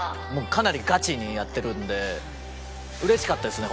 かなりガチにやってるんでうれしかったですね